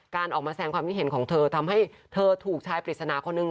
การออกมาแสงความคิดเห็นของเธอทำให้เธอถูกชายปริศนาคนหนึ่ง